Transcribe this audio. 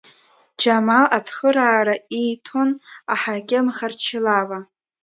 Џьамал ацхыраара ииҭон аҳақьым Харчилава.